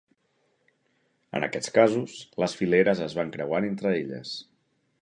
En aquests casos, les fileres es van creuant entre elles.